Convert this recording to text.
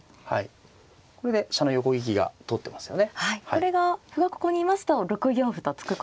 これが歩がここにいますと６四歩と突くことが。